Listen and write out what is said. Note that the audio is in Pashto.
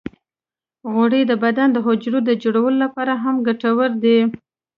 غوړې د بدن د حجرو د جوړولو لپاره هم ګټورې دي.